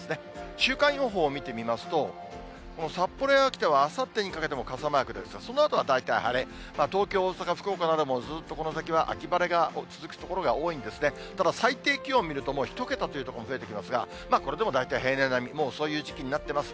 週間予報見てみますと、札幌や秋田は、あさってにかけても傘マークですが、そのあとは大体晴れ、東京、大阪、福岡なども、ずっとこの先は秋晴れが続く所が多いんですね、ただ、最低気温見ると、もう１桁という所が増えてきますが、これでも大体平年並み、もうそういう時期になっています。